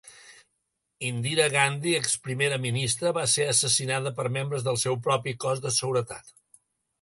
Indira Gandhi, exprimera ministra, va ser assassinada per membres del seu propi cos de seguretat.